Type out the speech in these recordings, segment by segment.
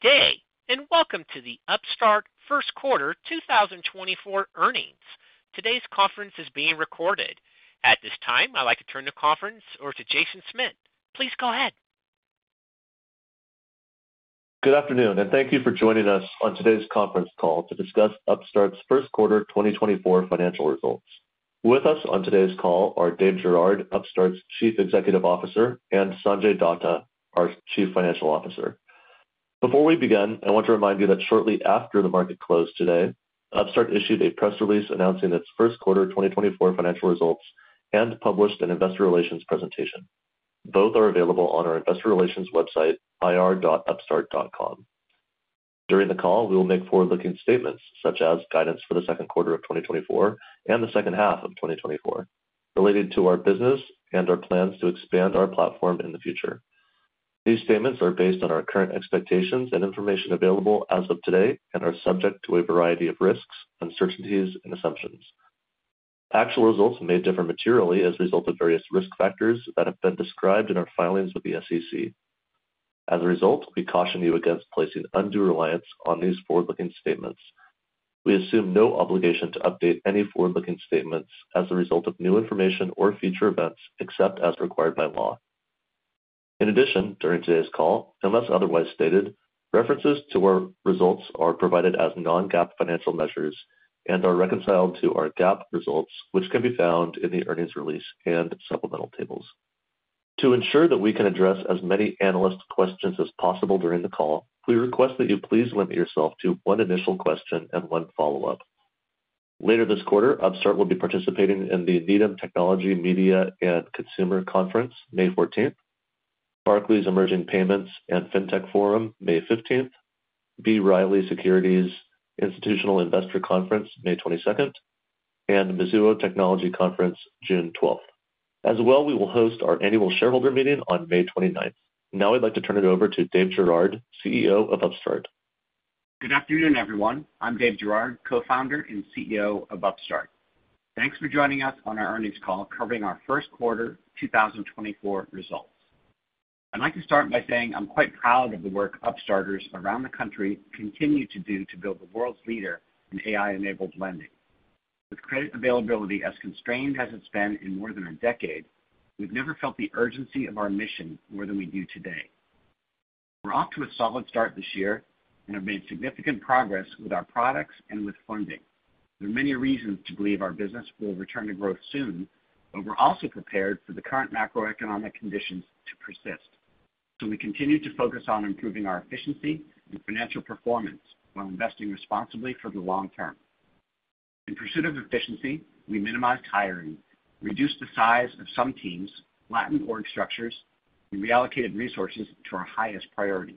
Good day, and welcome to the Upstart First Quarter 2024 Earnings. Today's conference is being recorded. At this time, I'd like to turn the conference over to Jason Schmidt. Please go ahead. Good afternoon, and thank you for joining us on today's conference call to discuss Upstart's first quarter 2024 financial results. With us on today's call are Dave Girouard, Upstart's Chief Executive Officer, and Sanjay Datta, our Chief Financial Officer. Before we begin, I want to remind you that shortly after the market closed today, Upstart issued a press release announcing its first quarter 2024 financial results and published an investor relations presentation. Both are available on our investor relations website, ir.upstart.com. During the call, we will make forward-looking statements, such as guidance for the second quarter of 2024 and the second half of 2024, related to our business and our plans to expand our platform in the future. These statements are based on our current expectations and information available as of today and are subject to a variety of risks, uncertainties, and assumptions. Actual results may differ materially as a result of various risk factors that have been described in our filings with the SEC. As a result, we caution you against placing undue reliance on these forward-looking statements. We assume no obligation to update any forward-looking statements as a result of new information or future events, except as required by law. In addition, during today's call, unless otherwise stated, references to our results are provided as non-GAAP financial measures and are reconciled to our GAAP results, which can be found in the earnings release and supplemental tables. To ensure that we can address as many analyst questions as possible during the call, we request that you please limit yourself to one initial question and one follow-up. Later this quarter, Upstart will be participating in the Needham Technology, Media, and Consumer Conference, May 14th, Barclays Emerging Payments and Fintech Forum, May 15th, B. Riley Securities Institutional Investor Conference, May 22nd, and the Mizuho Technology Conference, June 12th. As well, we will host our annual shareholder meeting on May 29th. Now I'd like to turn it over to Dave Girouard, CEO of Upstart. Good afternoon, everyone. I'm Dave Girouard, Co-founder and CEO of Upstart. Thanks for joining us on our earnings call covering our first quarter 2024 results. I'd like to start by saying I'm quite proud of the work Upstarters around the country continue to do to build the world's leader in AI-enabled lending. With credit availability as constrained as it's been in more than a decade, we've never felt the urgency of our mission more than we do today. We're off to a solid start this year and have made significant progress with our products and with funding. There are many reasons to believe our business will return to growth soon, but we're also prepared for the current macroeconomic conditions to persist. So we continue to focus on improving our efficiency and financial performance while investing responsibly for the long term. In pursuit of efficiency, we minimized hiring, reduced the size of some teams, flattened org structures, and reallocated resources to our highest priorities.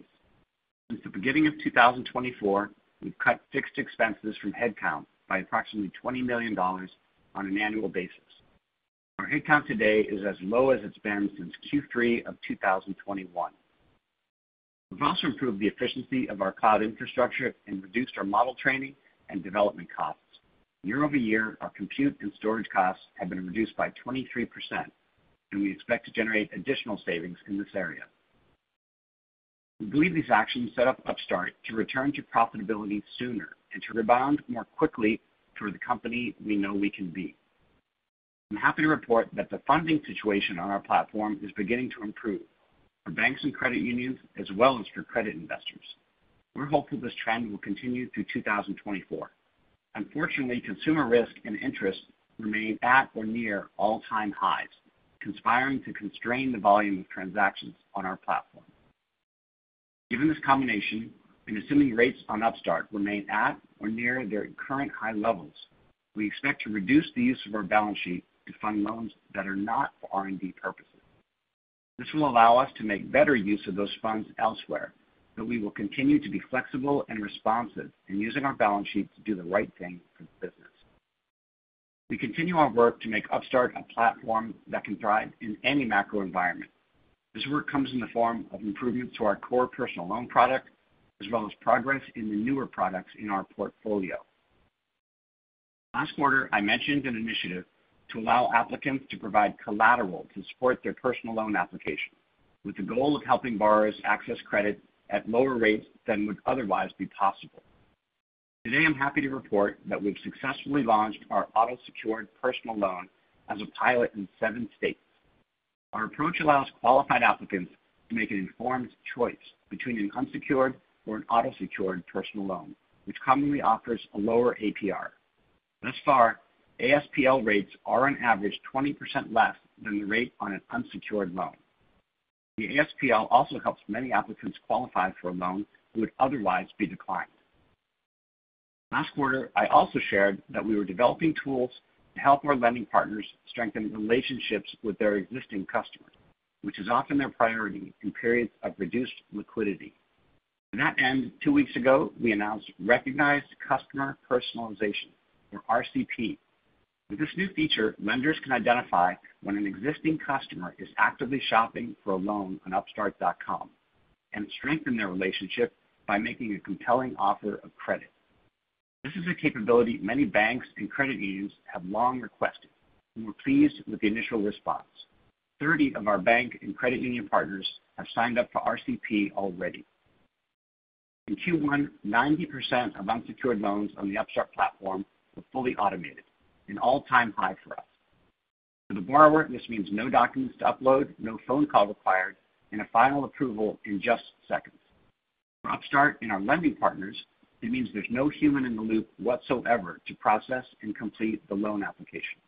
Since the beginning of 2024, we've cut fixed expenses from headcount by approximately $20 million on an annual basis. Our headcount today is as low as it's been since Q3 of 2021. We've also improved the efficiency of our cloud infrastructure and reduced our model training and development costs. Year-over-year, our compute and storage costs have been reduced by 23%, and we expect to generate additional savings in this area. We believe these actions set up Upstart to return to profitability sooner and to rebound more quickly to the company we know we can be. I'm happy to report that the funding situation on our platform is beginning to improve for banks and credit unions, as well as for credit investors. We're hopeful this trend will continue through 2024. Unfortunately, consumer risk and interest remain at or near all-time highs, conspiring to constrain the volume of transactions on our platform. Given this combination, and assuming rates on Upstart remain at or near their current high levels, we expect to reduce the use of our balance sheet to fund loans that are not for R&D purposes. This will allow us to make better use of those funds elsewhere, but we will continue to be flexible and responsive in using our balance sheet to do the right thing for the business. We continue our work to make Upstart a platform that can thrive in any macro environment. This work comes in the form of improvements to our core personal loan product, as well as progress in the newer products in our portfolio. Last quarter, I mentioned an initiative to allow applicants to provide collateral to support their personal loan application, with the goal of helping borrowers access credit at lower rates than would otherwise be possible. Today, I'm happy to report that we've successfully launched our auto-secured personal loan as a pilot in seven states. Our approach allows qualified applicants to make an informed choice between an unsecured or an auto-secured personal loan, which commonly offers a lower APR. Thus far, ASPL rates are on average 20% less than the rate on an unsecured loan. The ASPL also helps many applicants qualify for a loan who would otherwise be declined. Last quarter, I also shared that we were developing tools to help our lending partners strengthen relationships with their existing customers, which is often their priority in periods of reduced liquidity. To that end, two weeks ago, we announced Recognized Customer Personalization, or RCP. With this new feature, lenders can identify when an existing customer is actively shopping for a loan on upstart.com and strengthen their relationship by making a compelling offer of credit. This is a capability many banks and credit unions have long requested, and we're pleased with the initial response. 30 of our bank and credit union partners have signed up for RCP already. In Q1, 90% of unsecured loans on the Upstart platform were fully automated, an all-time high for us. For the borrower, this means no documents to upload, no phone call required, and a final approval in just seconds. For Upstart and our lending partners, it means there's no human in the loop whatsoever to process and complete the loan application.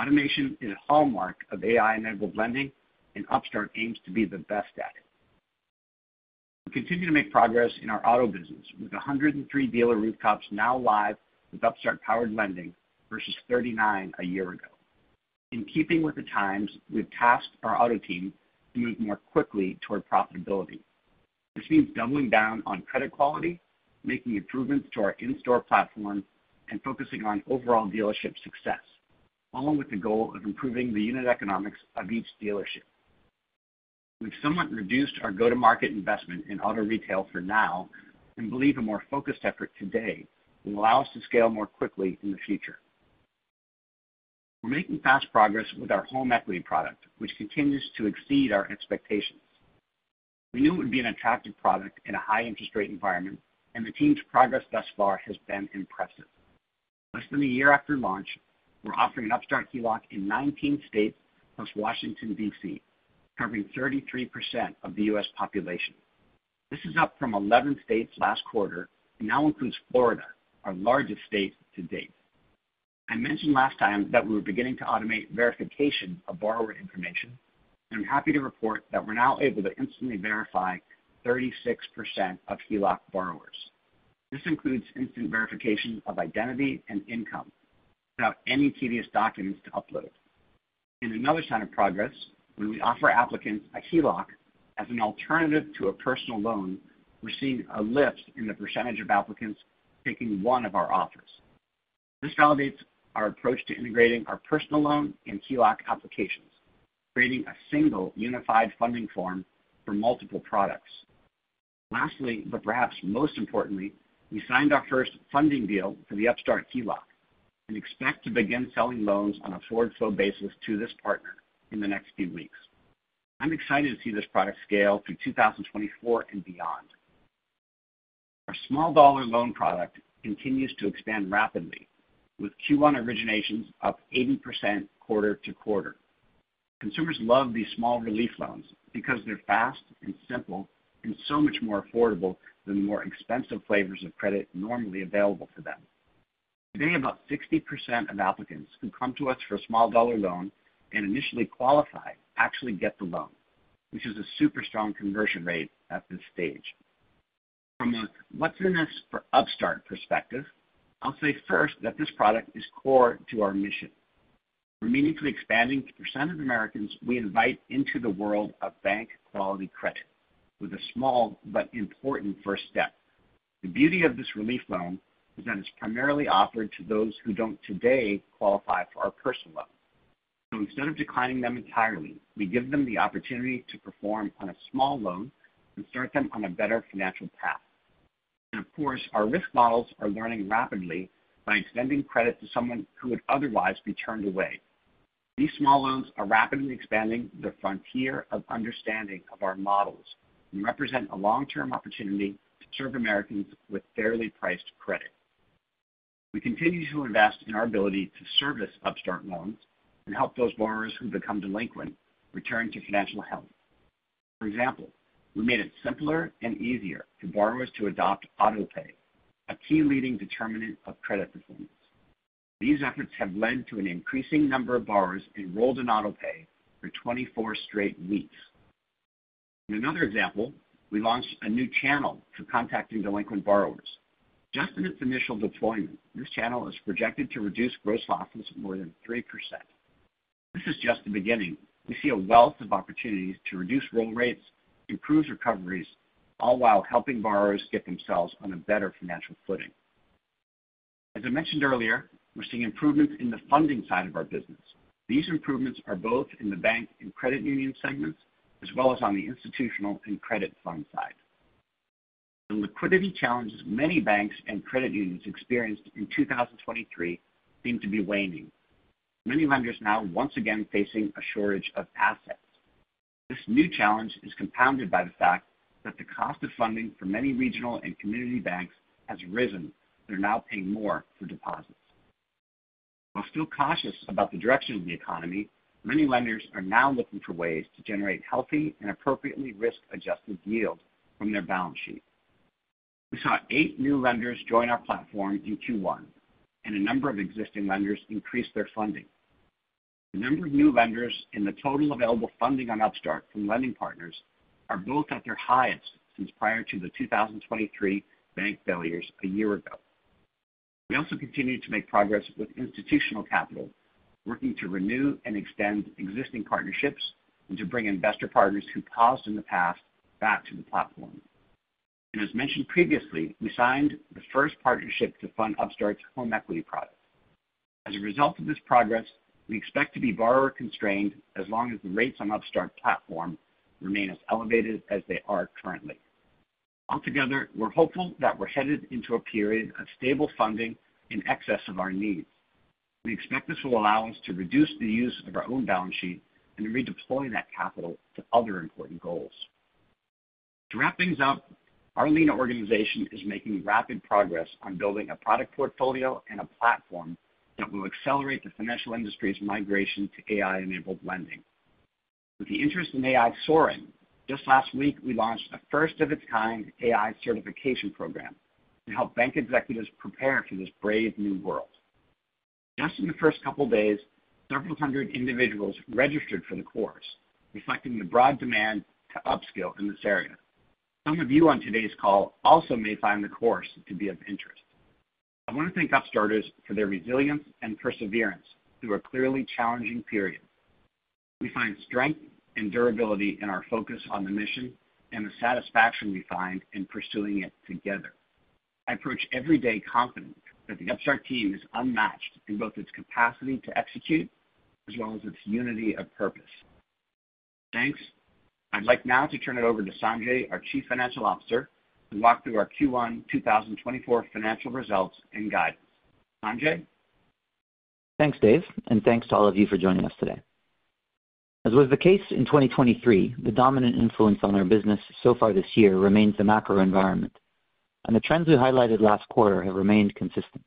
Automation is a hallmark of AI-enabled lending, and Upstart aims to be the best at it. We continue to make progress in our auto business, with 103 dealer rooftops now live with Upstart-powered lending versus 39 a year ago. In keeping with the times, we've tasked our auto team to move more quickly toward profitability. This means doubling down on credit quality, making improvements to our in-store platform, and focusing on overall dealership success, along with the goal of improving the unit economics of each dealership. We've somewhat reduced our go-to-market investment in auto retail for now and believe a more focused effort today will allow us to scale more quickly in the future. We're making fast progress with our home equity product, which continues to exceed our expectations. We knew it would be an attractive product in a high interest rate environment, and the team's progress thus far has been impressive. Less than a year after launch, we're offering an Upstart HELOC in 19 states plus Washington, D.C., covering 33% of the U.S. population. This is up from 11 states last quarter and now includes Florida, our largest state to date. I mentioned last time that we were beginning to automate verification of borrower information, and I'm happy to report that we're now able to instantly verify 36% of HELOC borrowers. This includes instant verification of identity and income, without any tedious documents to upload. In another sign of progress, when we offer applicants a HELOC as an alternative to a personal loan, we're seeing a lift in the percentage of applicants taking one of our offers. This validates our approach to integrating our personal loan and HELOC applications, creating a single unified funding form for multiple products. Lastly, but perhaps most importantly, we signed our first funding deal for the Upstart HELOC and expect to begin selling loans on a forward flow basis to this partner in the next few weeks. I'm excited to see this product scale through 2024 and beyond. Our small dollar loan product continues to expand rapidly, with Q1 originations up 80% quarter-over-quarter. Consumers love these small relief loans because they're fast and simple and so much more affordable than the more expensive flavors of credit normally available to them. Today, about 60% of applicants who come to us for a small dollar loan and initially qualify, actually get the loan, which is a super strong conversion rate at this stage. From a what's-in-this-for-Upstart perspective, I'll say first that this product is core to our mission. We're meaningfully expanding the percent of Americans we invite into the world of bank-quality credit with a small but important first step. The beauty of this relief loan is that it's primarily offered to those who don't today qualify for our personal loan. So instead of declining them entirely, we give them the opportunity to perform on a small loan and start them on a better financial path. Of course, our risk models are learning rapidly by extending credit to someone who would otherwise be turned away. These small loans are rapidly expanding the frontier of understanding of our models and represent a long-term opportunity to serve Americans with fairly priced credit. We continue to invest in our ability to service Upstart loans and help those borrowers who become delinquent return to financial health. For example, we made it simpler and easier for borrowers to adopt autopay, a key leading determinant of credit performance. These efforts have led to an increasing number of borrowers enrolled in autopay for 24 straight weeks. In another example, we launched a new channel for contacting delinquent borrowers. Just in its initial deployment, this channel is projected to reduce gross losses of more than 3%. This is just the beginning. We see a wealth of opportunities to reduce roll rates, improve recoveries, all while helping borrowers get themselves on a better financial footing. As I mentioned earlier, we're seeing improvements in the funding side of our business. These improvements are both in the bank and credit union segments, as well as on the institutional and credit fund side. The liquidity challenges many banks and credit unions experienced in 2023 seem to be waning. Many lenders now once again facing a shortage of assets. This new challenge is compounded by the fact that the cost of funding for many regional and community banks has risen. They're now paying more for deposits. While still cautious about the direction of the economy, many lenders are now looking for ways to generate healthy and appropriately risk-adjusted yield from their balance sheet. We saw eight new lenders join our platform in Q1, and a number of existing lenders increase their funding. The number of new lenders and the total available funding on Upstart from lending partners are both at their highest since prior to the 2023 bank failures a year ago. We also continued to make progress with institutional capital, working to renew and extend existing partnerships and to bring investor partners who paused in the past back to the platform. And as mentioned previously, we signed the first partnership to fund Upstart's home equity product. As a result of this progress, we expect to be borrower-constrained as long as the rates on Upstart platform remain as elevated as they are currently. Altogether, we're hopeful that we're headed into a period of stable funding in excess of our needs. We expect this will allow us to reduce the use of our own balance sheet and redeploying that capital to other important goals. To wrap things up, our lean organization is making rapid progress on building a product portfolio and a platform that will accelerate the financial industry's migration to AI-enabled lending. With the interest in AI soaring, just last week, we launched a first-of-its-kind AI certification program to help bank executives prepare for this brave new world. Just in the first couple of days, several hundred individuals registered for the course, reflecting the broad demand to upskill in this area. Some of you on today's call also may find the course to be of interest. I want to thank Upstarters for their resilience and perseverance through a clearly challenging period. We find strength and durability in our focus on the mission and the satisfaction we find in pursuing it together. I approach every day confident that the Upstart team is unmatched in both its capacity to execute as well as its unity of purpose. Thanks. I'd like now to turn it over to Sanjay, our Chief Financial Officer, to walk through our Q1 2024 financial results and guide. Sanjay? Thanks, Dave, and thanks to all of you for joining us today. As was the case in 2023, the dominant influence on our business so far this year remains the macro environment, and the trends we highlighted last quarter have remained consistent.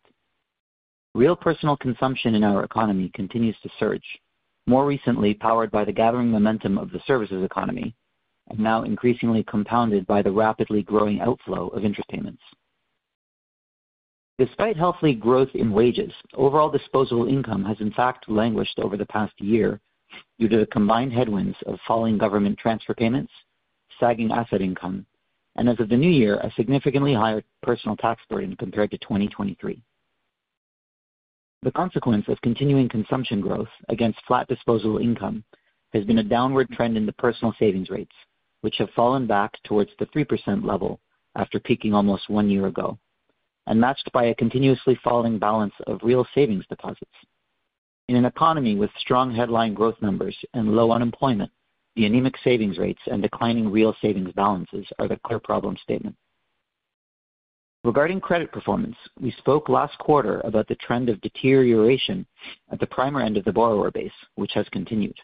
Real personal consumption in our economy continues to surge, more recently powered by the gathering momentum of the services economy and now increasingly compounded by the rapidly growing outflow of interest payments. Despite healthy growth in wages, overall disposable income has in fact languished over the past year due to the combined headwinds of falling government transfer payments, sagging asset income, and as of the new year, a significantly higher personal tax burden compared to 2023. The consequence of continuing consumption growth against flat disposable income has been a downward trend in the personal savings rates, which have fallen back towards the 3% level after peaking almost one year ago, and matched by a continuously falling balance of real savings deposits. In an economy with strong headline growth numbers and low unemployment, the anemic savings rates and declining real savings balances are the clear problem statement. Regarding credit performance, we spoke last quarter about the trend of deterioration at the prime end of the borrower base, which has continued.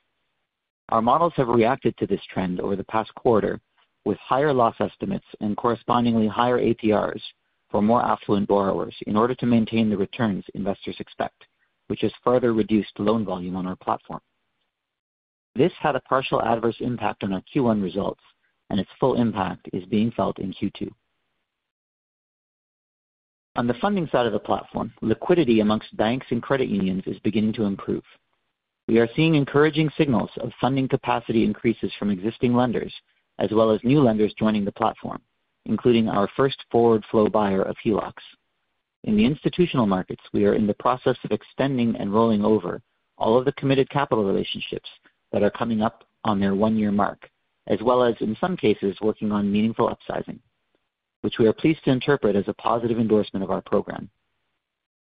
Our models have reacted to this trend over the past quarter with higher loss estimates and correspondingly higher APRs for more affluent borrowers in order to maintain the returns investors expect, which has further reduced loan volume on our platform. This had a partial adverse impact on our Q1 results, and its full impact is being felt in Q2. On the funding side of the platform, liquidity among banks and credit unions is beginning to improve. We are seeing encouraging signals of funding capacity increases from existing lenders, as well as new lenders joining the platform, including our first forward flow buyer of HELOCs. In the institutional markets, we are in the process of extending and rolling over all of the committed capital relationships that are coming up on their one-year mark, as well as, in some cases, working on meaningful upsizing, which we are pleased to interpret as a positive endorsement of our program.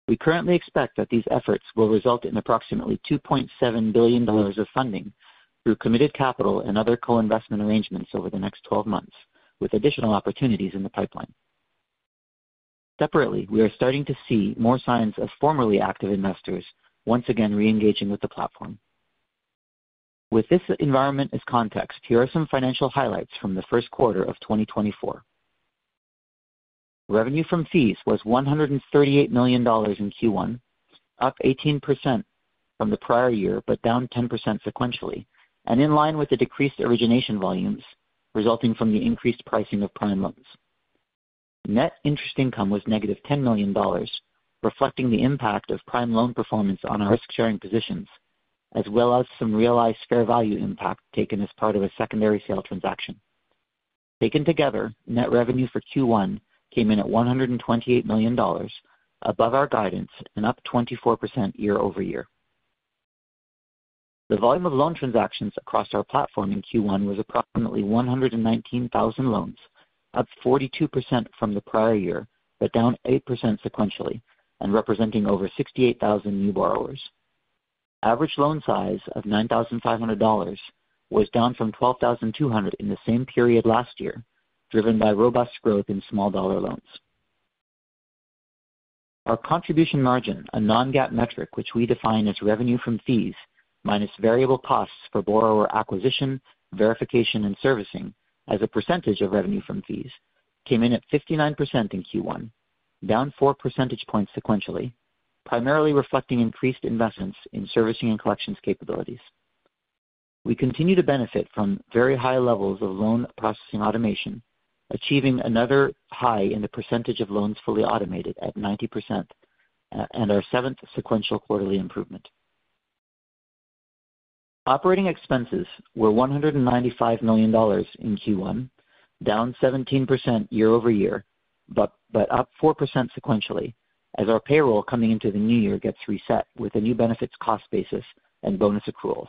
We currently expect that these efforts will result in approximately $2.7 billion of funding through committed capital and other co-investment arrangements over the next 12 months, with additional opportunities in the pipeline. Separately, we are starting to see more signs of formerly active investors once again reengaging with the platform. With this environment as context, here are some financial highlights from the first quarter of 2024. Revenue from fees was $138 million in Q1, up 18% from the prior year, but down 10% sequentially, and in line with the decreased origination volumes resulting from the increased pricing of prime loans. Net interest income was -$10 million, reflecting the impact of prime loan performance on our risk-sharing positions, as well as some realized fair value impact taken as part of a secondary sale transaction. Taken together, net revenue for Q1 came in at $128 million, above our guidance and up 24% year-over-year. The volume of loan transactions across our platform in Q1 was approximately 119,000 loans, up 42% from the prior year, but down 8% sequentially and representing over 68,000 new borrowers. Average loan size of $9,500 was down from $12,200 in the same period last year, driven by robust growth in small dollar loans. Our contribution margin, a non-GAAP metric, which we define as revenue from fees minus variable costs for borrower acquisition, verification, and servicing as a percentage of revenue from fees, came in at 59% in Q1, down four percentage points sequentially, primarily reflecting increased investments in servicing and collections capabilities. We continue to benefit from very high levels of loan processing automation, achieving another high in the percentage of loans fully automated at 90%, and our seventh sequential quarterly improvement. Operating expenses were $195 million in Q1, down 17% year-over-year, but up 4% sequentially as our payroll coming into the new year gets reset with a new benefits cost basis and bonus accruals.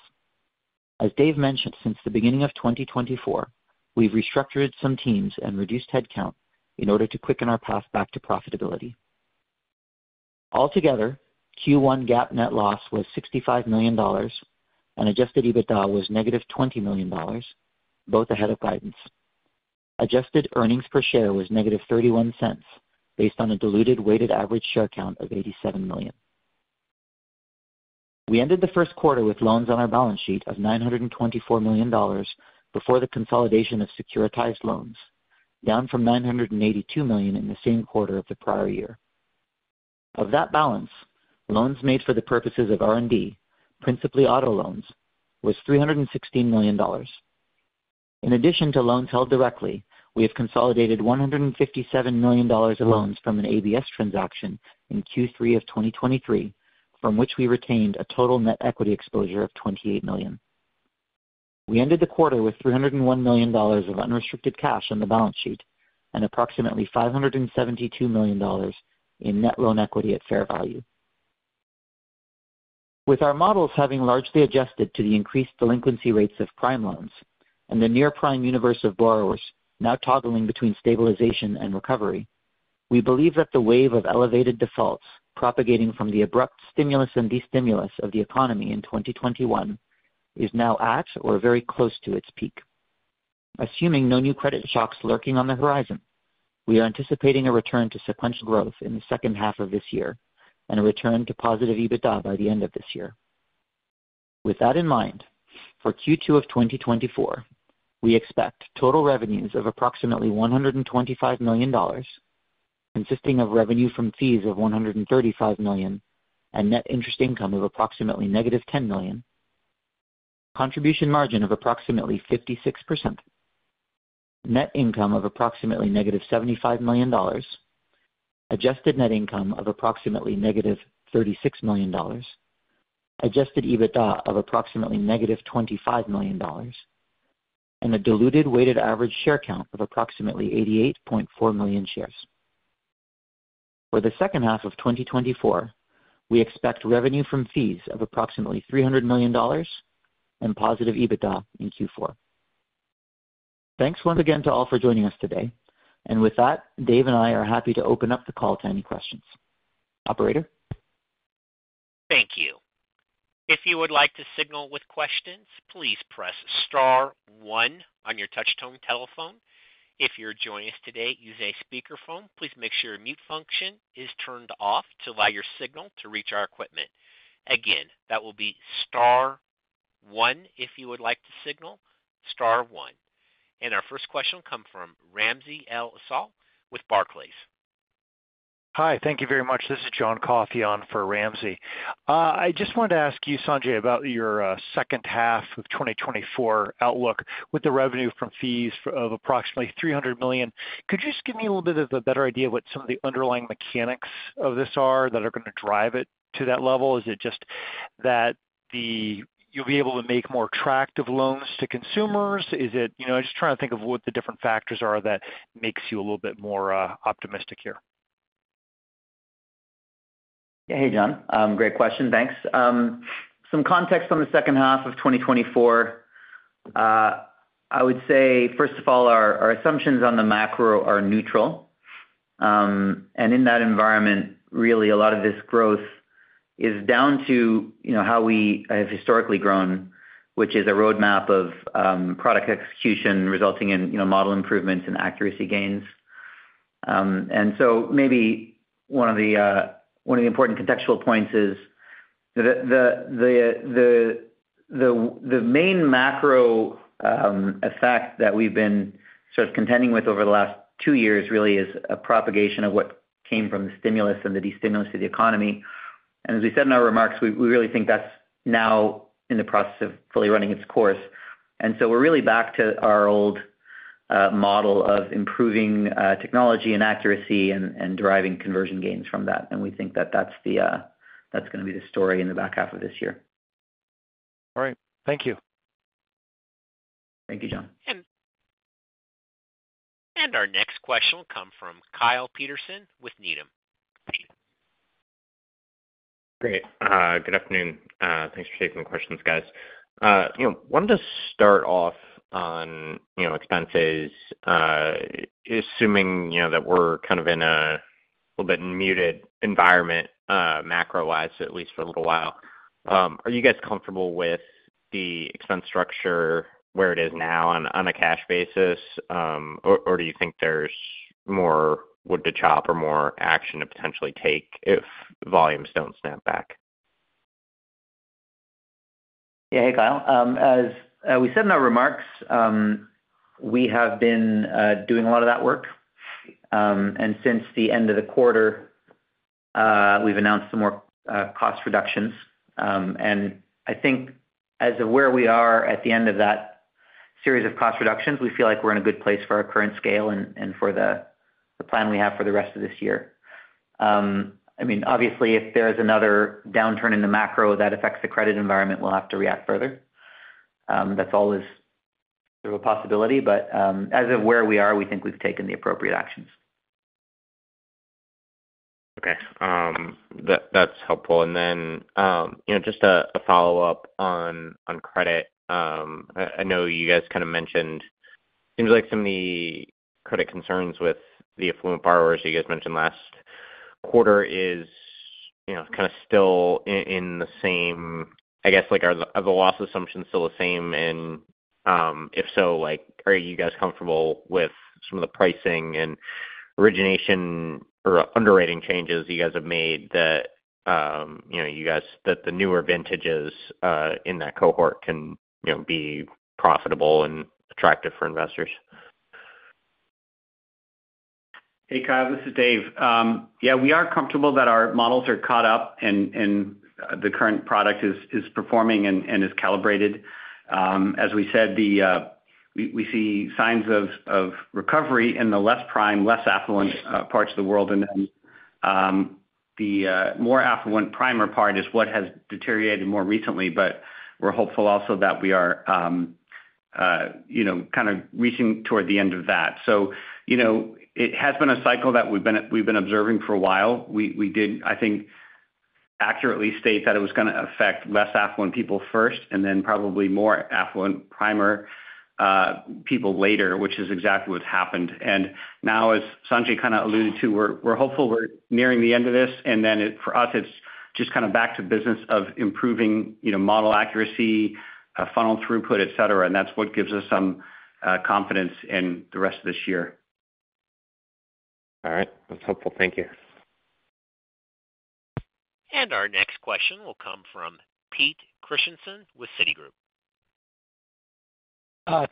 As Dave mentioned, since the beginning of 2024, we've restructured some teams and reduced headcount in order to quicken our path back to profitability. Altogether, Q1 GAAP net loss was $65 million, and adjusted EBITDA was -$20 million, both ahead of guidance. Adjusted earnings per share was -$0.31, based on a diluted weighted average share count of 87 million. We ended the first quarter with loans on our balance sheet of $924 million before the consolidation of securitized loans, down from $982 million in the same quarter of the prior year. Of that balance, loans made for the purposes of R&D, principally auto loans, was $316 million. In addition to loans held directly, we have consolidated $157 million of loans from an ABS transaction in Q3 of 2023, from which we retained a total net equity exposure of $28 million. We ended the quarter with $301 million of unrestricted cash on the balance sheet and approximately $572 million in net loan equity at fair value. With our models having largely adjusted to the increased delinquency rates of prime loans and the near prime universe of borrowers now toggling between stabilization and recovery, we believe that the wave of elevated defaults propagating from the abrupt stimulus and destimulus of the economy in 2021 is now at or very close to its peak. Assuming no new credit shocks lurking on the horizon, we are anticipating a return to sequential growth in the second half of this year and a return to positive EBITDA by the end of this year. With that in mind, for Q2 of 2024, we expect total revenues of approximately $125 million, consisting of revenue from fees of $135 million and net interest income of approximately -$10 million. Contribution margin of approximately 56%. Net income of approximately -$75 million. Adjusted net income of approximately -$36 million. Adjusted EBITDA of approximately -$25 million, and a diluted weighted average share count of approximately 88.4 million shares. For the second half of 2024, we expect revenue from fees of approximately $300 million and positive EBITDA in Q4. Thanks once again to all for joining us today. With that, Dave and I are happy to open up the call to any questions. Operator? Thank you. If you would like to signal with questions, please press star one on your touchtone telephone. If you're joining us today using a speakerphone, please make sure your mute function is turned off to allow your signal to reach our equipment. Again, that will be star one if you would like to signal, star one. And our first question will come from Ramsey El-Assal with Barclays. Hi, thank you very much. This is John Coffey on for Ramsey. I just wanted to ask you, Sanjay, about your second half of 2024 outlook with the revenue from fees of approximately $300 million. Could you just give me a little bit of a better idea of what some of the underlying mechanics of this are that are going to drive it to that level? Is it just that you'll be able to make more attractive loans to consumers? You know, I'm just trying to think of what the different factors are that makes you a little bit more optimistic here. Hey, John. Great question, thanks. Some context on the second half of 2024. I would say, first of all, our assumptions on the macro are neutral. And in that environment, really a lot of this growth is down to, you know, how we have historically grown, which is a roadmap of product execution resulting in, you know, model improvements and accuracy gains. And so maybe one of the important contextual points is the main macro effect that we've been sort of contending with over the last two years, really is a propagation of what came from the stimulus and the destimulus to the economy. And as we said in our remarks, we really think that's now in the process of fully running its course. So we're really back to our old model of improving technology and accuracy and deriving conversion gains from that. We think that that's the story in the back half of this year. All right. Thank you. Thank you, John. Our next question will come from Kyle Peterson with Needham. Great. Good afternoon. Thanks for taking the questions, guys. You know, wanted to start off on, you know, expenses. Assuming, you know, that we're kind of in a little bit muted environment, macro-wise, at least for a little while, are you guys comfortable with the expense structure where it is now on a cash basis? Or do you think there's more wood to chop or more action to potentially take if volumes don't snap back? Yeah. Hey, Kyle. As we said in our remarks, we have been doing a lot of that work. And since the end of the quarter, we've announced some more cost reductions. And I think as of where we are at the end of that series of cost reductions, we feel like we're in a good place for our current scale and, and for the, the plan we have for the rest of this year. I mean, obviously, if there is another downturn in the macro that affects the credit environment, we'll have to react further. That's always sort of a possibility, but, as of where we are, we think we've taken the appropriate actions. That, that's helpful. And then, you know, just a follow-up on credit. I know you guys kind of mentioned, seems like some of the credit concerns with the affluent borrowers you guys mentioned last quarter is, you know, kind of still in the same. I guess, like, are the loss assumptions still the same? And, if so, like, are you guys comfortable with some of the pricing and origination or underwriting changes you guys have made that, you know, you guys, that the newer vintages in that cohort can, you know, be profitable and attractive for investors? Hey, Kyle, this is Dave. Yeah, we are comfortable that our models are caught up and the current product is performing and is calibrated. As we said, we see signs of recovery in the less prime, less affluent parts of the world. And then, the more affluent prime part is what has deteriorated more recently. But we're hopeful also that we are, you know, kind of reaching toward the end of that. So, you know, it has been a cycle that we've been observing for a while. We did, I think, accurately state that it was gonna affect less affluent people first, and then probably more affluent prime people later, which is exactly what's happened. And now, as Sanjay kind of alluded to, we're hopeful we're nearing the end of this, and then, for us, it's just kind of back to business of improving, you know, model accuracy, funnel throughput, et cetera, and that's what gives us some confidence in the rest of this year. All right. That's helpful. Thank you. Our next question will come from Peter Christiansen with Citigroup.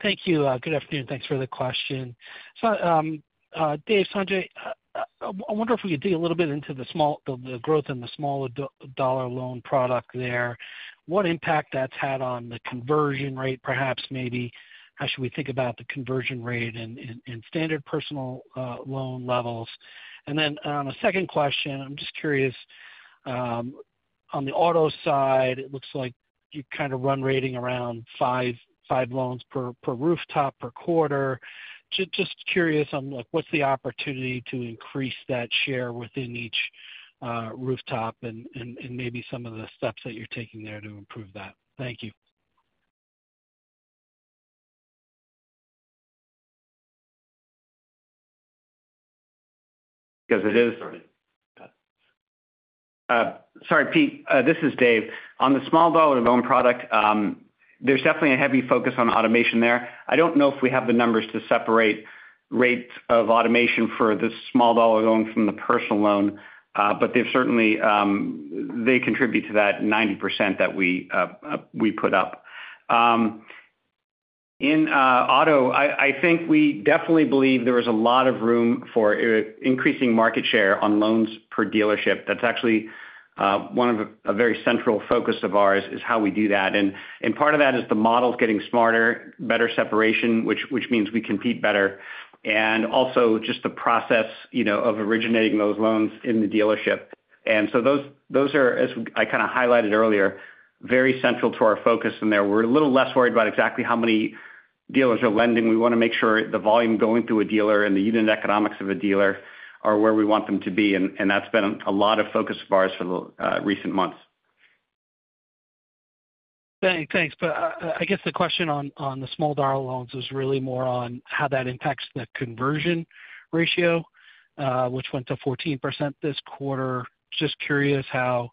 Thank you. Good afternoon, thanks for the question. So, Dave, Sanjay, I wonder if we could dig a little bit into the small dollar loan product there. What impact that's had on the conversion rate, perhaps, maybe how should we think about the conversion rate in standard personal loan levels? And then on a second question, I'm just curious, on the auto side, it looks like you kind of run rate around five loans per rooftop per quarter. Just curious on, like, what's the opportunity to increase that share within each rooftop and maybe some of the steps that you're taking there to improve that? Thank you. Pete, this is Dave. On the small dollar loan product, there's definitely a heavy focus on automation there. I don't know if we have the numbers to separate rates of automation for the small dollar loan from the personal loan, but they've certainly, they contribute to that 90% that we, we put up. In auto, I think we definitely believe there is a lot of room for increasing market share on loans per dealership. That's actually, one of a very central focus of ours, is how we do that. And part of that is the model's getting smarter, better separation, which means we compete better, and also just the process, you know, of originating those loans in the dealership. And so those, those are, as I kind of highlighted earlier, very central to our focus in there. We're a little less worried about exactly how many dealers are lending. We wanna make sure the volume going through a dealer and the unit economics of a dealer are where we want them to be, and that's been a lot of focus of ours for the recent months. Thanks, thanks. But, I guess the question on, on the small dollar loan is really more on how that impacts the conversion ratio, which went to 14% this quarter. Just curious how,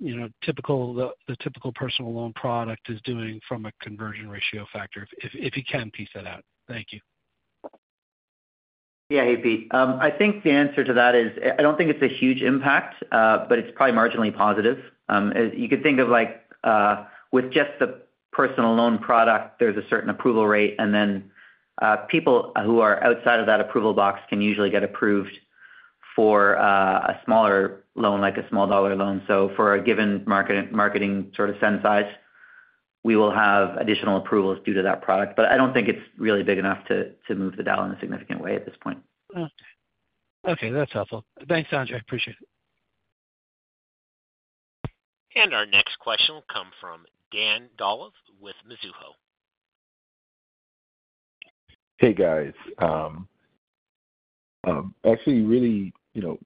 you know the typical personal loan product is doing from a conversion ratio factor, if you can piece that out. Thank you. Yeah. Hey, Pete, I think the answer to that is, I don't think it's a huge impact, but it's probably marginally positive. You could think of like, with just the personal loan product, there's a certain approval rate, and then, people who are outside of that approval box can usually get approved for, a smaller loan, like a small dollar loan. So for a given marketing sort of sense size, we will have additional approvals due to that product. But I don't think it's really big enough to move the dial in a significant way at this point. Well, okay, that's helpful. Thanks, Sanjay. I appreciate it. Our next question will come from Dan Dolev with Mizuho. Hey, guys. Actually, really, you know,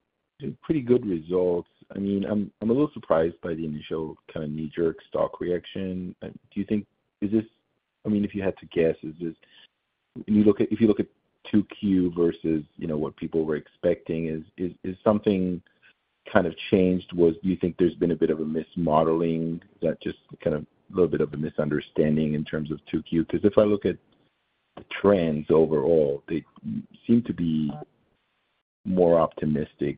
pretty good results. I mean, I'm a little surprised by the initial kind of knee-jerk stock reaction. Do you think, is this. I mean, if you had to guess, is this, if you look at 2Q versus, you know, what people were expecting, is something kind of changed? Do you think there's been a bit of a mismodeling that just kind of a little bit of a misunderstanding in terms of 2Q? Because if I look at the trends overall, they seem to be more optimistic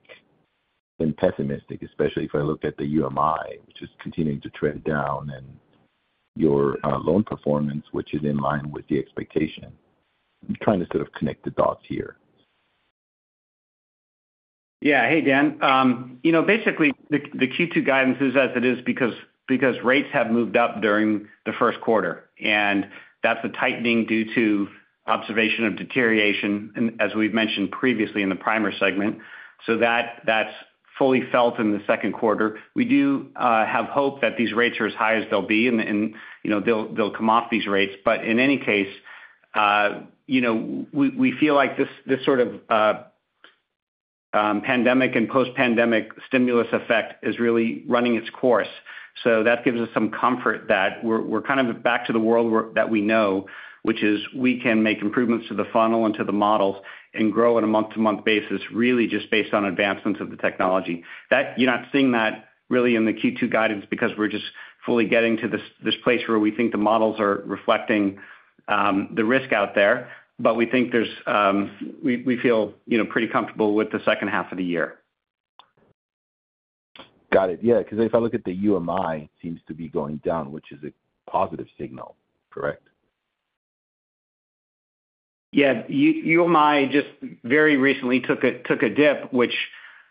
than pessimistic, especially if I look at the UMI, which is continuing to trend down, and your loan performance, which is in line with the expectation. I'm trying to sort of connect the dots here. Yeah. Hey, Dan. You know, basically, the Q2 guidance is as it is because rates have moved up during the first quarter, and that's a tightening due to observation of deterioration, and as we've mentioned previously in the primer segment, so that's fully felt in the second quarter. We do have hope that these rates are as high as they'll be and, you know, they'll come off these rates. But in any case, know, we feel like this, this sort of, pandemic and post-pandemic stimulus effect is really running its course. So that gives us some comfort that we're, we're kind of back to the world work that we know, which is we can make improvements to the funnel and to the models and grow on a month-to-month basis, really just based on advancements of the technology. You’re not seeing that really in the Q2 guidance because we're just fully getting to this, this place where we think the models are reflecting, the risk out there. But we think there's, we, we feel, you know, pretty comfortable with the second half of the year. Got it. Yeah, 'cause if I look at the UMI, seems to be going down, which is a positive signal, correct? Yeah, UMI just very recently took a dip, which,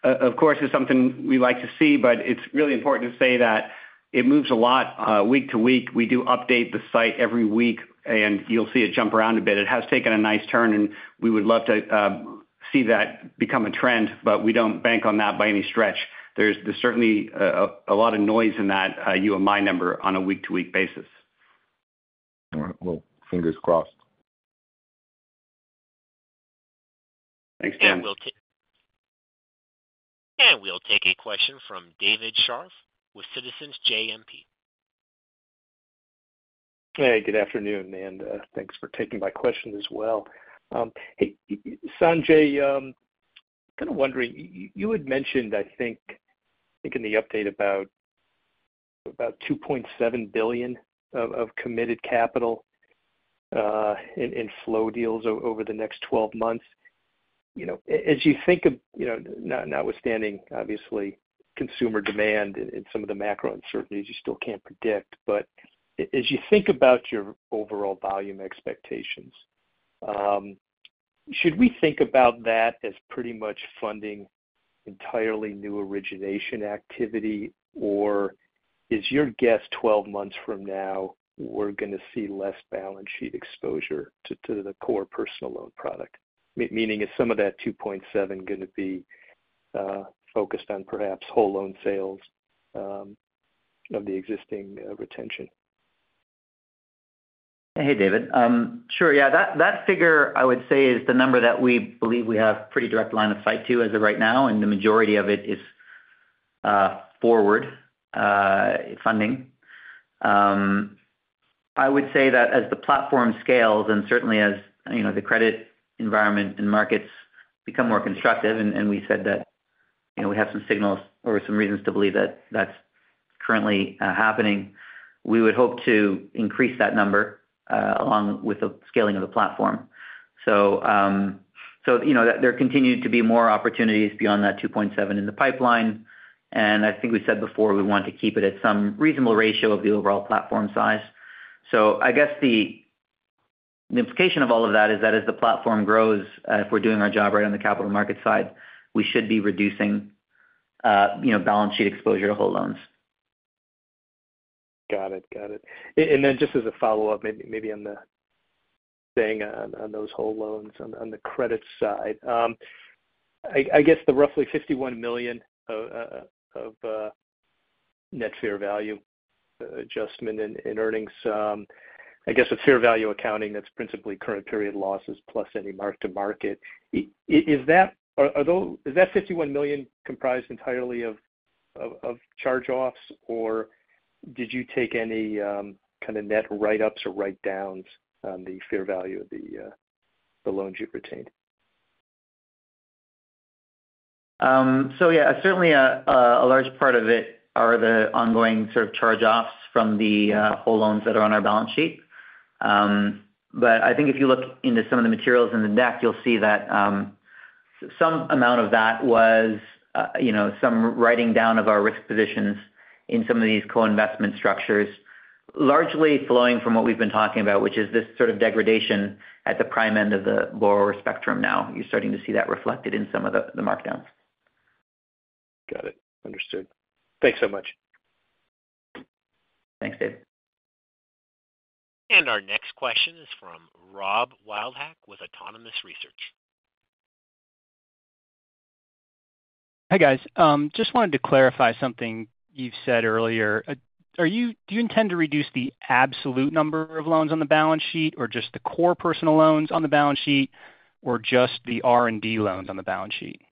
of course, is something we like to see, but it's really important to say that it moves a lot, week-to-week. We do update the site every week, and you'll see it jump around a bit. It has taken a nice turn, and we would love to see that become a trend, but we don't bank on that by any stretch. There's certainly a lot of noise in that, UMI number on a week-to-week basis. All right. Well, fingers crossed. Thanks, Dan. We'll take a question from David Scharf with Citizens JMP. Hey, good afternoon, and thanks for taking my question as well. Hey, Sanjay, kind of wondering, you had mentioned, I think, I think in the update about $2.7 billion of committed capital in flow deals over the next 12 months. You know, as you think of, you know, notwithstanding, obviously, consumer demand and some of the macro uncertainties you still can't predict, but as you think about your overall volume expectations, should we think about that as pretty much funding entirely new origination activity? Or is your guess 12 months from now, we're gonna see less balance sheet exposure to the core personal loan product? Meaning is some of that two point seven gonna be focused on perhaps whole loan sales of the existing retention? Hey, David. Sure, yeah, that figure, I would say, is the number that we believe we have pretty direct line of sight to as of right now, and the majority of it is forward funding. I would say that as the platform scales, and certainly as, you know, the credit environment and markets become more constructive, and we said that, you know, we have some signals or some reasons to believe that that's currently happening, we would hope to increase that number along with the scaling of the platform. So, you know, there continue to be more opportunities beyond that $2.7 billion in the pipeline, and I think we said before, we want to keep it at some reasonable ratio of the overall platform size. So I guess the implication of all of that is that as the platform grows, if we're doing our job right on the capital market side, we should be reducing, you know, balance sheet exposure to whole loans. Got it. Got it. And then just as a follow-up, maybe, maybe on the thing on, on those whole loans, on, on the credit side. I guess the roughly $51 million of net fair value adjustment in earnings, I guess, a fair value accounting, that's principally current period losses, plus any mark to market. Is that $51 million comprised entirely of charge-offs, or did you take any kind of net write-ups or write-downs on the fair value of the loans you've retained? So yeah, certainly, a large part of it are the ongoing sort of charge-offs from the whole loans that are on our balance sheet. But I think if you look into some of the materials in the deck, you'll see that some amount of that was, you know, some writing down of our risk positions in some of these co-investment structures, largely flowing from what we've been talking about, which is this sort of degradation at the prime end of the borrower spectrum now. You're starting to see that reflected in some of the markdowns. Got it. Understood. Thanks so much. Thanks, David. Our next question is from Rob Wildhack with Autonomous Research. Hi, guys. Just wanted to clarify something you've said earlier. Do you intend to reduce the absolute number of loans on the balance sheet, or just the core personal loans on the balance sheet, or just the R&D loans on the balance sheet?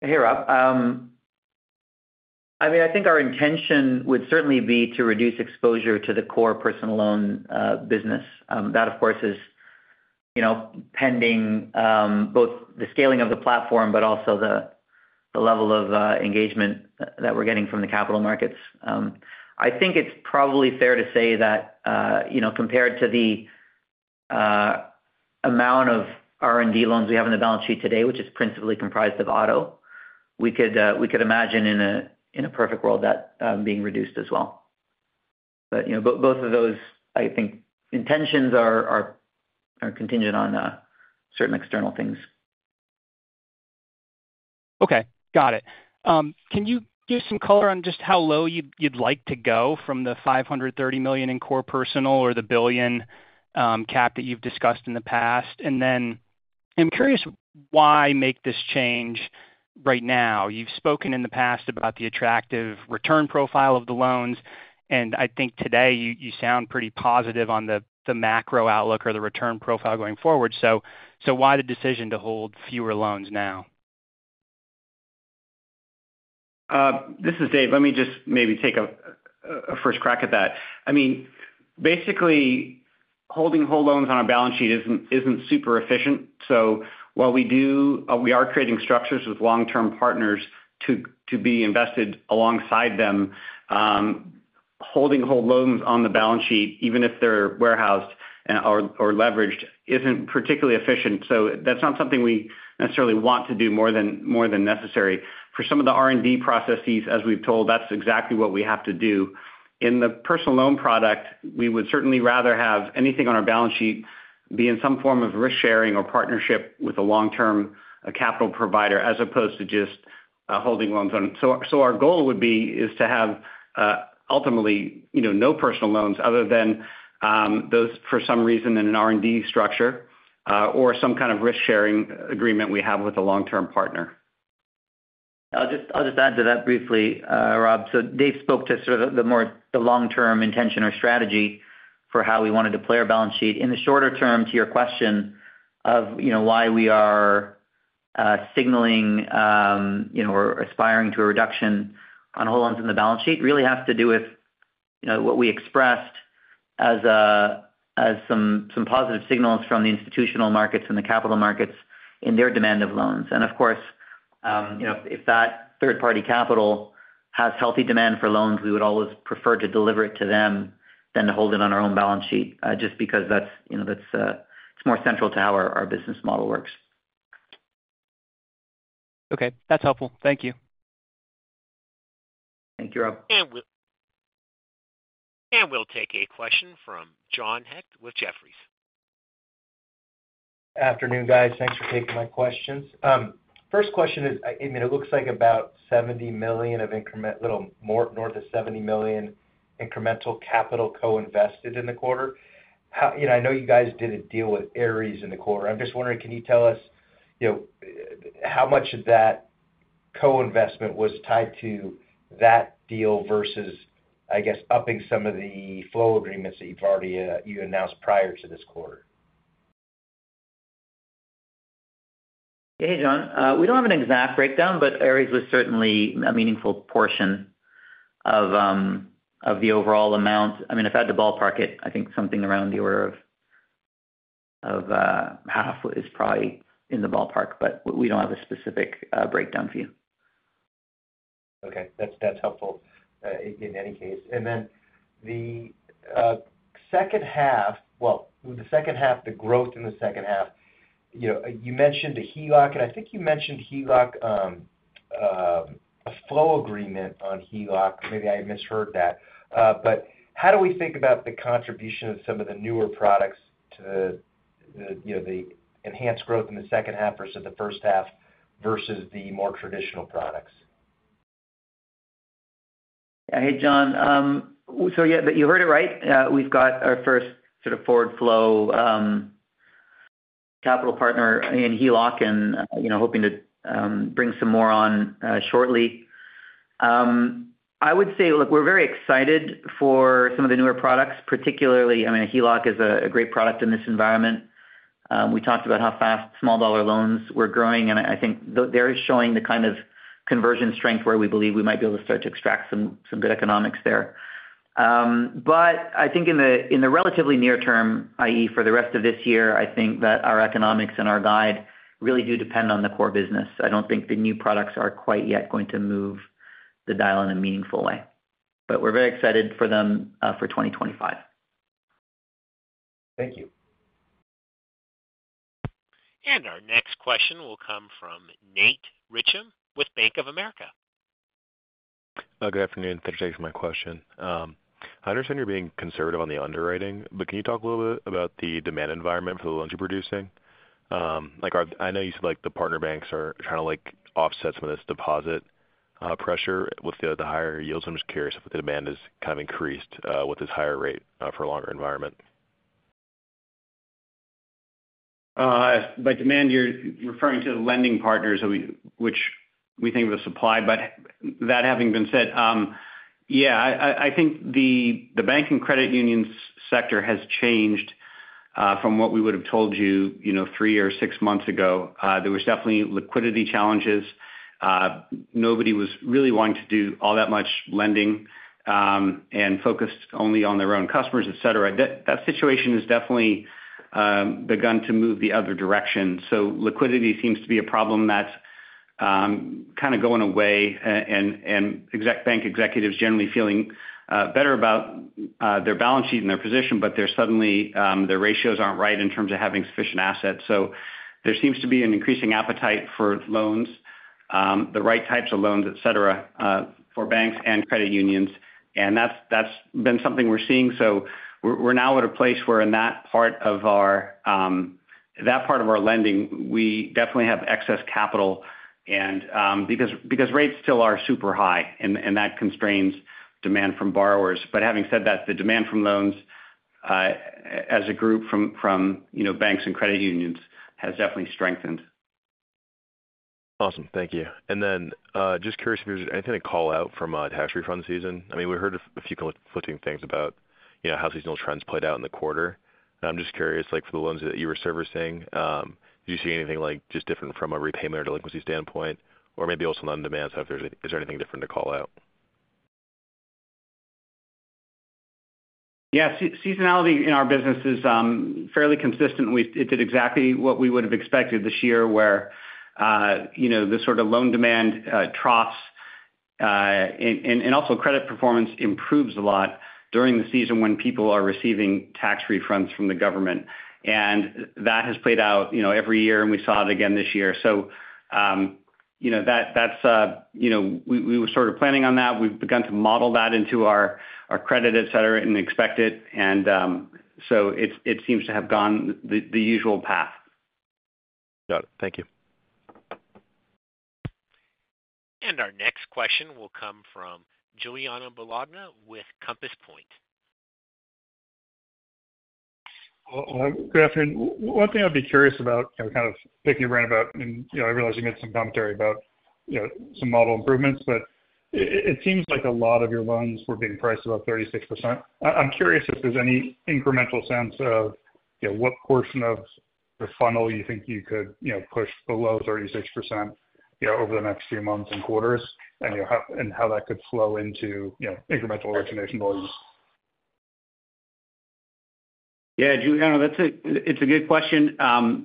Hey, Rob. I mean, I think our intention would certainly be to reduce exposure to the core personal loan business. That, of course, is, you know, pending both the scaling of the platform, but also the level of engagement that we're getting from the capital markets. I think it's probably fair to say that, you know, compared to the amount of R&D loans we have on the balance sheet today, which is principally comprised of auto, we could imagine in a perfect world, that being reduced as well. But, you know, both of those, I think, intentions are contingent on certain external things. Okay, got it. Can you give some color on just how low you'd like to go from the $530 million in core personal or the $1 billion cap that you've discussed in the past? I'm curious, why make this change right now? You've spoken in the past about the attractive return profile of the loans, and I think today you sound pretty positive on the macro outlook or the return profile going forward. So why the decision to hold fewer loans now? This is Dave. Let me just maybe take a first crack at that. I mean, basically, holding whole loans on our balance sheet isn't super efficient. So while we do, we are creating structures with long-term partners to be invested alongside them, holding whole loans on the balance sheet, even if they're warehoused or leveraged, isn't particularly efficient. So that's not something we necessarily want to do more than necessary. For some of the R&D processes, as we've told, that's exactly what we have to do. In the personal loan product, we would certainly rather have anything on our balance sheet be in some form of risk-sharing or partnership with a long-term capital provider, as opposed to just holding loans on. So our goal would be is to have ultimately you know no personal loans other than those for some reason in an R&D structure or some kind of risk-sharing agreement we have with a long-term partner. I'll just add to that briefly, Rob. So Dave spoke to sort of the more, the long-term intention or strategy for how we wanted to play our balance sheet. In the shorter term, to your question of, you know, why we are signaling, you know, or aspiring to a reduction on whole loans in the balance sheet, really has to do with, you know, what we expressed as some positive signals from the institutional markets and the capital markets in their demand of loans. And of course, you know, if that third-party capital has healthy demand for loans, we would always prefer to deliver it to them than to hold it on our own balance sheet, just because that's, you know, that's, it's more central to how our business model works. Okay, that's helpful. Thank you. Thank you, Rob. And we'll take a question from John Hecht with Jefferies. Afternoon, guys. Thanks for taking my questions. First question is, I mean, it looks like about $70 million. Little more, north of $70 million incremental capital co-invested in the quarter. You know, I know you guys did a deal with Ares in the quarter. I'm just wondering, can you tell us, you know, how much of that co-investment was tied to that deal versus, I guess, upping some of the flow agreements that you've already you announced prior to this quarter? Hey, John. We don't have an exact breakdown, but Ares was certainly a meaningful portion of the overall amount. I mean, if I had to ballpark it, I think something around the order of half is probably in the ballpark, but we don't have a specific breakdown for you. Okay. That's, that's helpful in any case. And then the second half, well, the second half, the growth in the second half, you know, you mentioned the HELOC, and I think you mentioned HELOC a flow agreement on HELOC. Maybe I misheard that. But how do we think about the contribution of some of the newer products to the, the, you know, the enhanced growth in the second half versus the first half versus the more traditional products? Hey, John. So yeah, but you heard it right. We've got our first sort of forward flow, capital partner in HELOC and, you know, hoping to bring some more on, shortly. I would say, look, we're very excited for some of the newer products, particularly, I mean, a HELOC is a great product in this environment. We talked about how fast small dollar loan were growing, and I think they're showing the kind of conversion strength where we believe we might be able to start to extract some good economics there. But I think in the relatively near term, i.e., for the rest of this year, I think that our economics and our guide really do depend on the core business. I don't think the new products are quite yet going to move the dial in a meaningful way. But we're very excited for them, for 2025. Thank you. Our next question will come from Nat Schindler with Bank of America. Good afternoon. Thanks for taking my question. I understand you're being conservative on the underwriting, but can you talk a little bit about the demand environment for the loans you're producing? I know you said, like, the partner banks are trying to, like, offset some of this deposit pressure with the higher yields. I'm just curious if the demand has kind of increased with this higher rate for a longer environment? By demand, you're referring to the lending partners, which we think of as supply. But that having been said, yeah, I think the bank and credit union sector has changed from what we would have told you, you know, three or six months ago. There was definitely liquidity challenges. Nobody was really wanting to do all that much lending, and focused only on their own customers, et cetera. That situation has definitely begun to move the other direction. So liquidity seems to be a problem that's kind of going away, and bank executives generally feeling better about their balance sheet and their position, but they're suddenly their ratios aren't right in terms of having sufficient assets. So there seems to be an increasing appetite for loans, the right types of loans, et cetera, for banks and credit unions. And that's been something we're seeing. So we're now at a place where in that part of our, that part of our lending, we definitely have excess capital, and because rates still are super high, and that constrains demand from borrowers. But having said that, the demand from loans, as a group from, you know, banks and credit unions, has definitely strengthened. Awesome. Thank you. And then, just curious if there's anything to call out from a tax refund season. I mean, we heard a few conflicting things about, you know, how seasonal trends played out in the quarter. I'm just curious, like, for the loans that you were servicing, do you see anything like just different from a repayment or delinquency standpoint, or maybe also on demand side, is there anything different to call out? Yeah, seasonality in our business is fairly consistent, and it did exactly what we would have expected this year, where you know, the sort of loan demand troughs, and also credit performance improves a lot during the season when people are receiving tax refunds from the government. And that has played out, you know, every year, and we saw it again this year. So, you know, that that's you know we were sort of planning on that. We've begun to model that into our credit, et cetera, and expect it, and so it seems to have gone the usual path. Got it. Thank you. Our next question will come from Giuliano Bologna with Compass Point. Well, good afternoon. One thing I'd be curious about, you know, kind of picking your brain about, and, you know, I realize you made some commentary about, you know, some model improvements, but it seems like a lot of your loans were being priced about 36%. I'm curious if there's any incremental sense of, you know, what portion of the funnel you think you could, you know, push below 36%, you know, over the next few months and quarters, and, you know, how, and how that could flow into, you know, incremental origination volumes? Yeah, Giuliano, it's a good question.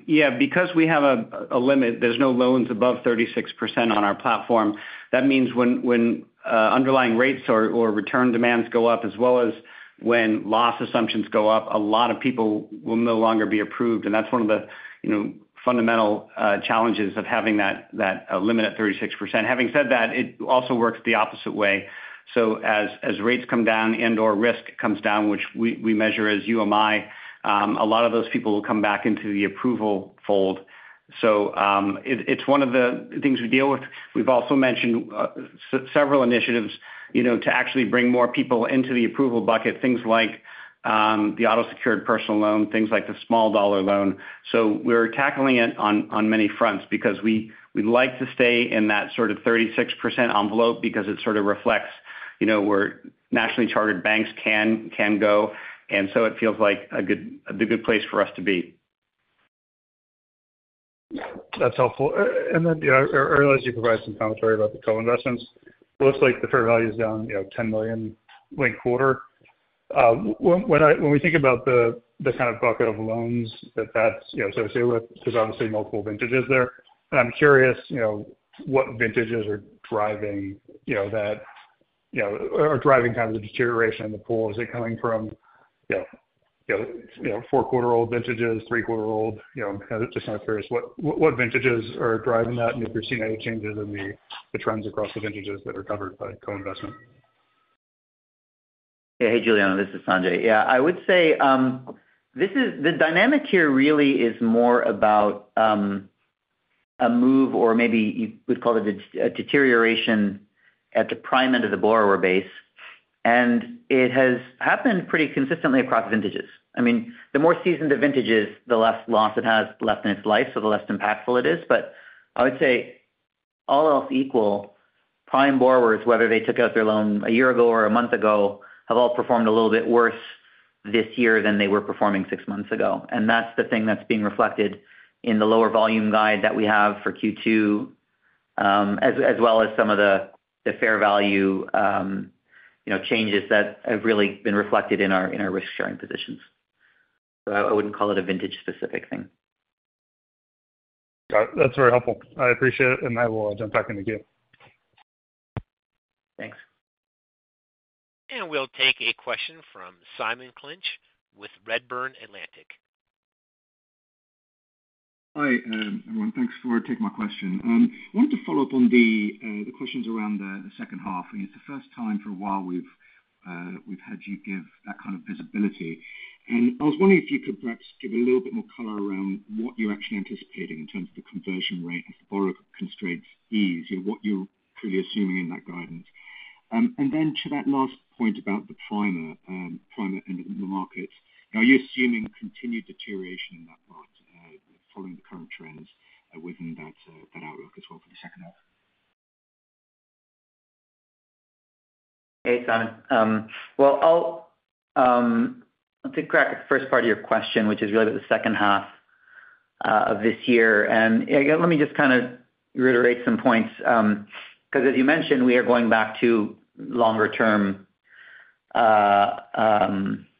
Yeah, because we have a limit, there's no loans above 36% on our platform. That means when underlying rates or return demands go up, as well as when loss assumptions go up, a lot of people will no longer be approved, and that's one of the, you know, fundamental challenges of having that limit at 36%. Having said that, it also works the opposite way. So as rates come down and/or risk comes down, which we measure as UMI, a lot of those people will come back into the approval fold. So, it's one of the things we deal with. We've also mentioned several initiatives, you know, to actually bring more people into the approval bucket, things like the auto-secured personal loan, things like the small dollar loan. So we're tackling it on many fronts because we like to stay in that sort of 36% envelope because it sort of reflects, you know, where nationally chartered banks can go, and so it feels like a good place for us to be. That's helpful. And then, you know, I realize you provided some commentary about the co-investments. It looks like the fair value is down, you know, $10 million linked quarter. When we think about the kind of bucket of loans that that's associated with, there's obviously multiple vintages there, and I'm curious, you know, what vintages are driving, you know, that, you know, or driving kind of the deterioration in the pool? Is it coming from, you know, you know, you know, four-quarter-old vintages, three-quarter-old? You know, kind of just curious, what vintages are driving that, and if you're seeing any changes in the trends across the vintages that are covered by co-investment. Yeah. Hey, Giuliano, this is Sanjay. Yeah, I would say, the dynamic here really is more about, a move, or maybe you would call it a deterioration at the prime end of the borrower base, and it has happened pretty consistently across vintages. I mean, the more seasoned the vintage is, the less loss it has left in its life, so the less impactful it is. But I would say, all else equal, prime borrowers, whether they took out their loan a year ago or a month ago, have all performed a little bit worse this year than they were performing six months ago. That's the thing that's being reflected in the lower volume guide that we have for Q2, as well as some of the fair value, you know, changes that have really been reflected in our risk-sharing positions. So I wouldn't call it a vintage-specific thing. Got it. That's very helpful. I appreciate it, and I will jump back in the queue. Thanks. We'll take a question from Simon Clinch with Redburn Atlantic. Hi, everyone. Thanks for taking my question. Wanted to follow up on the questions around the second half. I mean, it's the first time for a while we've had you give that kind of visibility, and I was wondering if you could perhaps give a little bit more color around what you're actually anticipating in terms of the conversion rate as borrower constraints ease, you know, what you're currently assuming in that guidance? And then to that last point about the prime end of the market, are you assuming continued deterioration in that market, following the current trends within that outlook as well for the second half? Hey, Simon. Well, I'll let's take back the first part of your question, which is really the second half of this year. And, yeah, let me just kind of reiterate some points, because as you mentioned, we are going back to longer term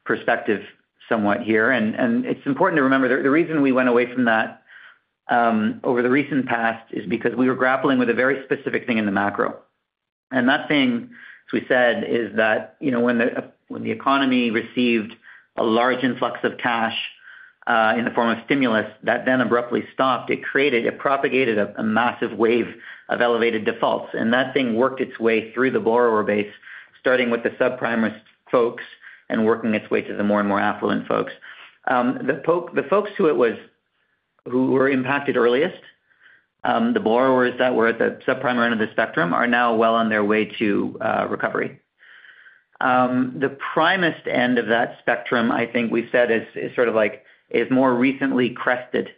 perspective somewhat here. And it's important to remember the, the reason we went away from that over the recent past is because we were grappling with a very specific thing in the macro. And that thing, as we said, is that, you know, the economy received a large influx of cash in the form of stimulus, that then abruptly stopped, it propagated a, a massive wave of elevated defaults, and that thing worked its way through the borrower base. Starting with the subprimest folks and working its way to the more and more affluent folks. The folks who were impacted earliest, the borrowers that were at the subprime end of the spectrum, are now well on their way to recovery. The primest end of that spectrum, I think we've said, is sort of like more recently crested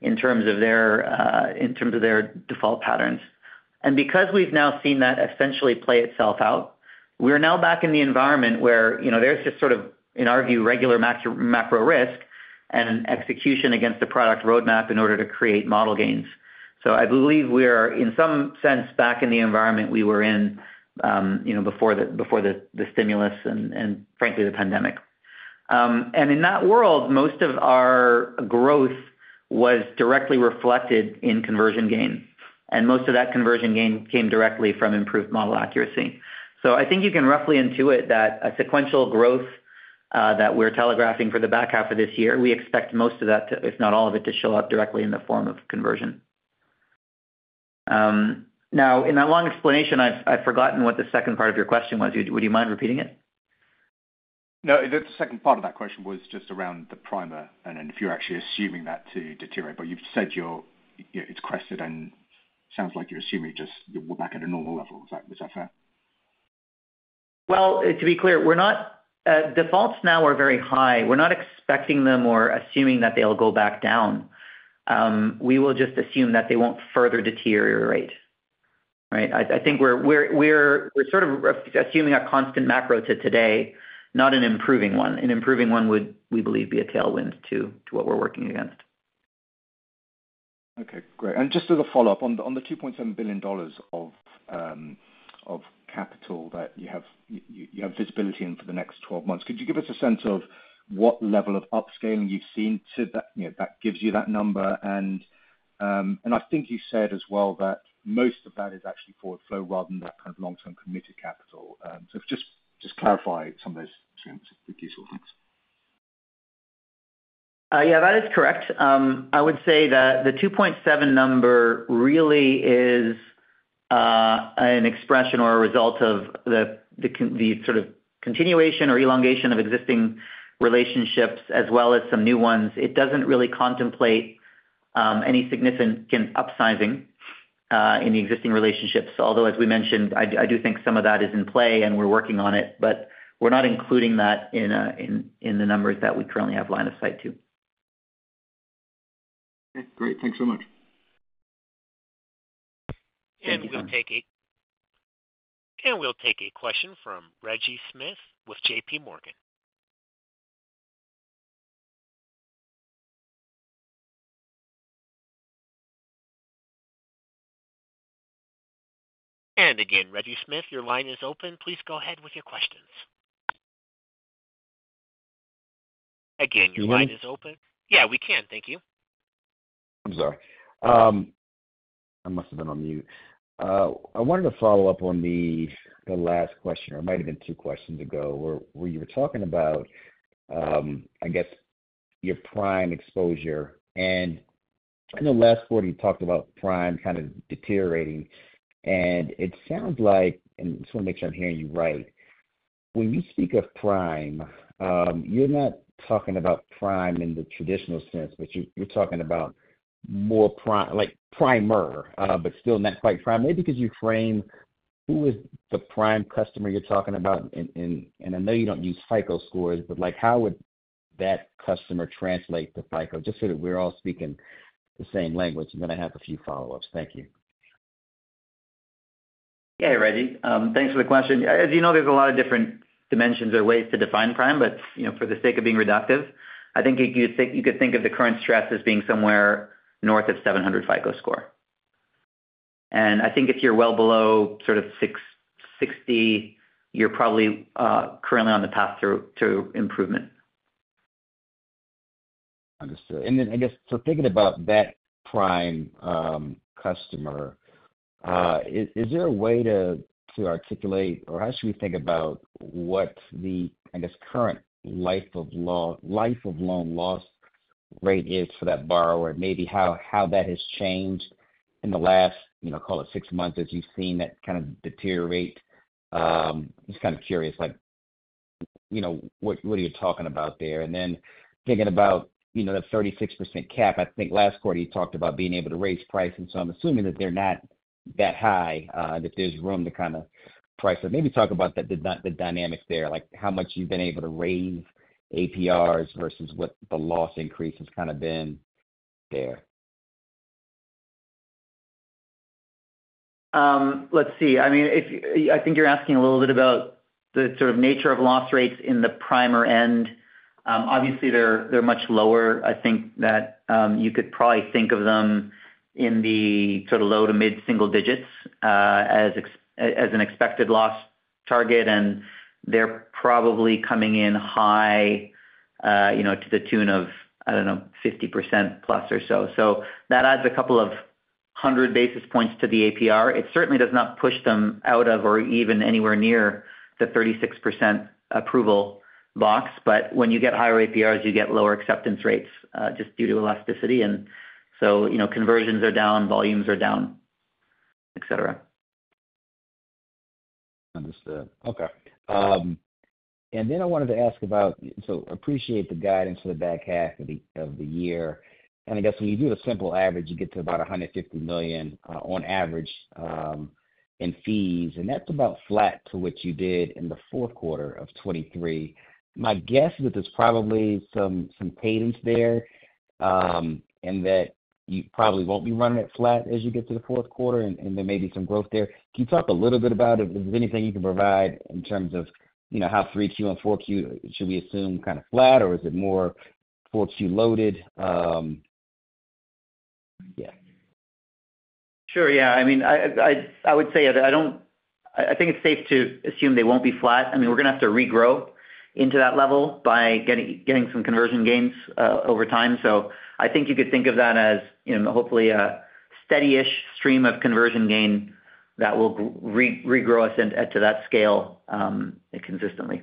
in terms of their default patterns. And because we've now seen that essentially play itself out, we're now back in the environment where, you know, there's just sort of, in our view, regular macro risk and execution against the product roadmap in order to create model gains. So I believe we are, in some sense, back in the environment we were in, you know, before the stimulus and frankly the pandemic. And in that world, most of our growth was directly reflected in conversion gain, and most of that conversion gain came directly from improved model accuracy. So I think you can roughly intuit that a sequential growth that we're telegraphing for the back half of this year, we expect most of that, if not all of it, to show up directly in the form of conversion. Now, in that long explanation, I've forgotten what the second part of your question was. Would you mind repeating it? No, the second part of that question was just around the prime, and then if you're actually assuming that to deteriorate, but you've said you're - it's crested and sounds like you're assuming just you're back at a normal level. Is that, is that fair? Well, to be clear, defaults now are very high. We're not expecting them or assuming that they'll go back down. We will just assume that they won't further deteriorate, right? I think we're sort of assuming a constant macro to today, not an improving one. An improving one would, we believe, be a tailwind to what we're working against. Okay, great. And just as a follow-up, on the $2.7 billion of capital that you have, you have visibility in for the next 12 months, could you give us a sense of what level of upscaling you've seen to that, you know, that gives you that number? And, and I think you said as well that most of that is actually forward flow rather than that kind of long-term committed capital. So just clarify some of those trends, if you so want. Yeah, that is correct. I would say that the $2.7 billion number really is an expression or a result of the sort of continuation or elongation of existing relationships as well as some new ones. It doesn't really contemplate any significant upsizing in the existing relationships. Although, as we mentioned, I do think some of that is in play, and we're working on it, but we're not including that in the numbers that we currently have line of sight to. Okay, great. Thanks so much. We'll take a question from Reggie Smith with JPMorgan. And again, Reggie Smith, your line is open. Please go ahead with your questions. Again, your line is open. Yeah, we can thank you. I'm sorry. I must have been on mute. I wanted to follow up on the, the last question, or it might have been two questions ago, where you were talking about, I guess, your prime exposure. And in the last quarter, you talked about prime kind of deteriorating, and it sounds like, and I just want to make sure I'm hearing you right, when you speak of prime, you're not talking about prime in the traditional sense, but you, you're talking about more like primer, but still not quite prime. Maybe could you frame who is the prime customer you're talking about? And I know you don't use FICO scores, but, like, how would that customer translate to FICO? Just so that we're all speaking the same language, and then I have a few follow-ups. Thank you. Yeah, Reggie, thanks for the question. As you know, there's a lot of different dimensions or ways to define prime, but, you know, for the sake of being reductive, I think you could think of the current stress as being somewhere north of 700 FICO score. And I think if you're well below sort of 660, you're probably currently on the path to improvement. Understood. And then I guess, so thinking about that Prime customer, is there a way to articulate, or how should we think about what the, I guess, current life of loan loss rate is for that borrower? Maybe how that has changed in the last, you know, call it six months as you've seen that kind of deteriorate. Just kind of curious, like, you know, what are you talking about there? And then thinking about, you know, the 36% cap. I think last quarter you talked about being able to raise pricing, so I'm assuming that they're not that high, that there's room to kind of price. So maybe talk about the dynamics there, like how much you've been able to raise APRs versus what the loss increase has kind of been there. Let's see. I think you're asking a little bit about the sort of nature of loss rates in the prime end. Obviously, they're, they're much lower. I think that, you could probably think of them in the sort of low to mid-single digits, as an expected loss target, and they're probably coming in high, you know, to the tune of, I don't know, 50%+ or so. So that adds a couple of 100 basis points to the APR. It certainly does not push them out of or even anywhere near the 36% approval box, but when you get higher APRs, you get lower acceptance rates, just due to elasticity. And so, you know, conversions are down, volumes are down, et cetera. Understood. Okay. And then I wanted to ask about, so appreciate the guidance for the back half of the year. And I guess when you do the simple average, you get to about $150 million on average in fees, and that's about flat to what you did in the fourth quarter of 2023. My guess is that there's probably some cadence there, and that you probably won't be running it flat as you get to the fourth quarter, and there may be some growth there. Can you talk a little bit about it? If there's anything you can provide in terms of, you know, how 3Q and 4Q, should we assume kind of flat, or is it more 4Q loaded? Yeah. Sure. Yeah. I mean, I would say I don't, I think it's safe to assume they won't be flat. I mean, we're gonna have to regrow into that level by getting some conversion gains over time. So I think you could think of that as, you know, hopefully, a steady-ish stream of conversion gain that will regrow us into to that scale consistently.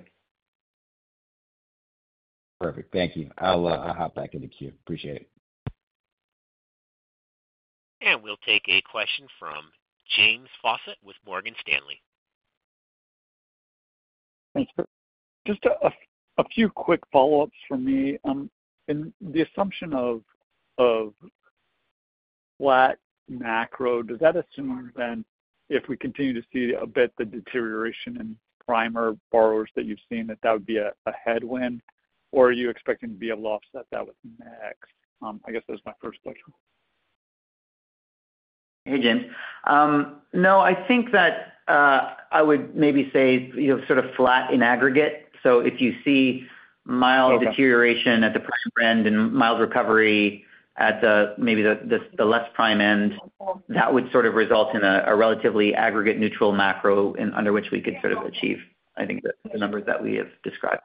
Perfect. Thank you. I'll, I'll hop back in the queue. Appreciate it. We'll take a question from James Faucette with Morgan Stanley. Thanks for just a few quick follow-ups for me. In the assumption of flat macro, does that assume then if we continue to see a bit the deterioration in primer borrowers that you've seen, that would be a headwind, or are you expecting to be able to offset that with mix? I guess that's my first question. Hey, James. No, I think that, I would maybe say, you know, sort of flat in aggregate. So if you see mild deterioration at the prime end and mild recovery at the maybe less prime end, that would sort of result in a relatively aggregate neutral macro and under which we could sort of achieve, I think, the numbers that we have described.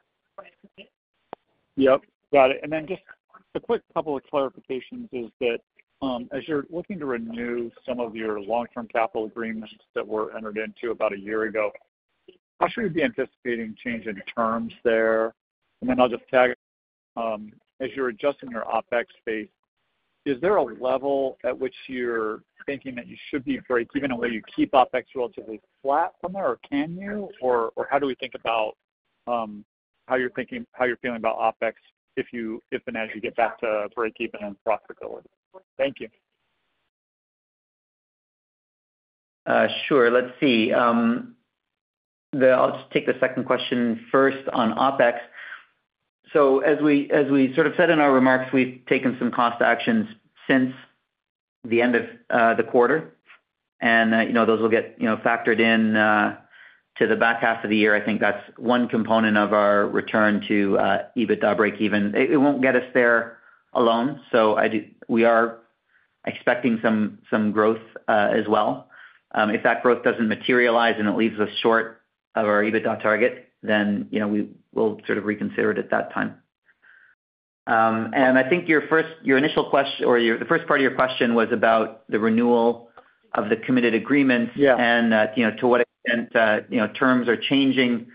Yep, got it. And then just a quick couple of clarifications is that, as you're looking to renew some of your long-term capital agreements that were entered into about a year ago, how should we be anticipating change in terms there? And then I'll just tag, as you're adjusting your OpEx base, is there a level at which you're thinking that you should be breaking, even though you keep OpEx relatively flat somewhere, or can you? Or, how you're thinking, how you're feeling about OpEx if you, if and as you get back to breakeven and profitability? Thank you. Sure. Let's see. I'll just take the second question first on OpEx. So as we, as we sort of said in our remarks, we've taken some cost actions since the end of the quarter. And you know, those will get you know, factored in to the back half of the year. I think that's one component of our return to EBITDA breakeven. It won't get us there alone, so we are expecting some growth as well. If that growth doesn't materialize and it leaves us short of our EBITDA target, then you know, we will sort of reconsider it at that time. And I think the first part of your question was about the renewal of the committed agreements and, you know, to what extent, you know, terms are changing.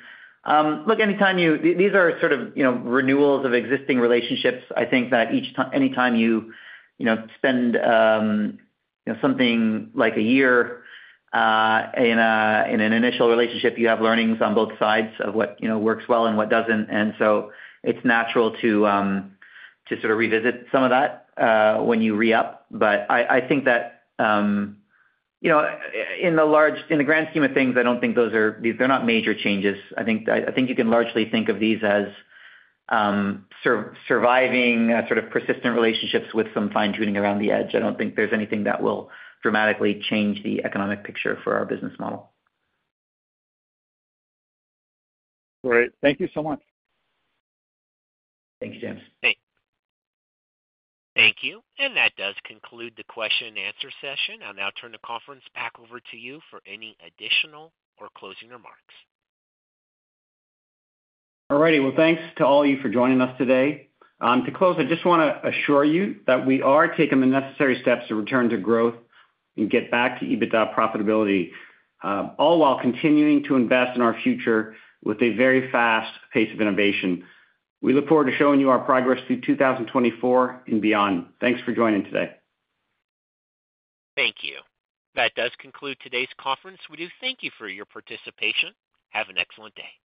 Look, anytime you, these are sort of, you know, renewals of existing relationships. I think that each time, anytime you, you know, spend, you know, something like a year, in an initial relationship, you have learnings on both sides of what, you know, works well and what doesn't. And so it's natural to, to sort of revisit some of that, when you re-up. But I think that, you know, in the grand scheme of things, I don't think those are, they're not major changes. I think you can largely think of these as, surviving, sort of persistent relationships with some fine-tuning around the edge. I don't think there's anything that will dramatically change the economic picture for our business model. Great. Thank you so much. Thanks, James. Thanks. Thank you. That does conclude the question and answer session. I'll now turn the conference back over to you for any additional or closing remarks. All righty, well, thanks to all of you for joining us today. To close, I just wanna assure you that we are taking the necessary steps to return to growth and get back to EBITDA profitability, all while continuing to invest in our future with a very fast pace of innovation. We look forward to showing you our progress through 2024 and beyond. Thanks for joining today. Thank you. That does conclude today's conference. We do thank you for your participation. Have an excellent day.